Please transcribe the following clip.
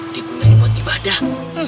dikunyai buat ibadah